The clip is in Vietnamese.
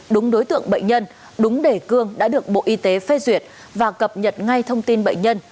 đúng đối tượng bệnh nhân đúng đề cương đã được bộ y tế phê duyệt và cập nhật ngay thông tin bệnh nhân